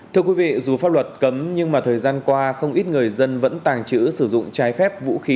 thưa quý vị dù pháp luật cấm nhưng mà thời gian qua không ít người dân vẫn tàng trữ sử dụng trái phép vũ khí